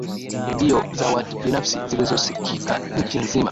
redio za wat binafsi zilizosikika nchi nzima